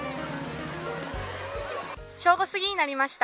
正午すぎになりました。